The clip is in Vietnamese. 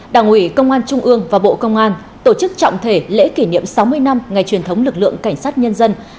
đảng ủy công an trung ương và bộ công an tổ chức trọng thể lễ kỷ niệm sáu mươi năm ngày truyền thống lực lượng cảnh sát nhân dân